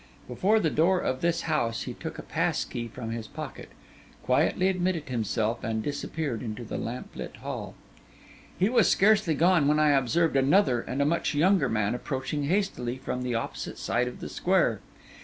Before the door of this house he took a pass key from his pocket, quietly admitted himself, and disappeared into the lamplit hall. He was scarcely gone when I observed another and a much younger man approaching hastily from the opposite side of the square.